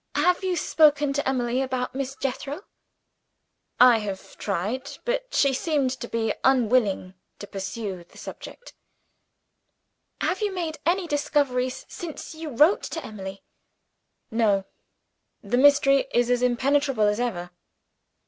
Have you spoken to Emily about Miss Jethro?" "I have tried but she seemed to be unwilling to pursue the subject." "Have you made any discoveries since you wrote to Emily?" "No. The mystery is as impenetrable as ever."